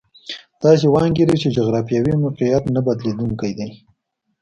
داسې وانګېري چې جغرافیوي موقعیت نه بدلېدونکی دی.